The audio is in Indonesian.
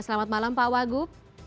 selamat malam pak wagub